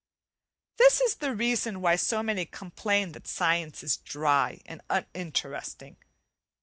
This is the reason why so many complain that science is dry and uninteresting.